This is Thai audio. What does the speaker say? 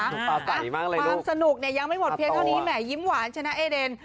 ความสนุกเนี่ยยังไม่หมดเพียงเท่านี้แหมยิ้มหวานชนะเอเดน